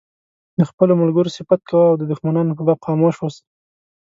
د خپلو ملګرو صفت کوه او د دښمنانو په باب خاموش اوسه.